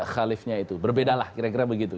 khaliftnya itu berbeda lah kira kira begitu